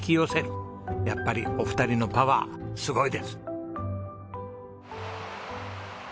やっぱりお二人のパワーすごいです。